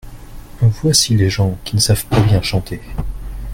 Voici les gens qui ne savent pas bien chanter.